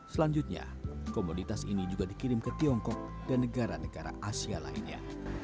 selanjutnya komoditas ini juga dikirim ke tiongkok dan negara negara asia lainnya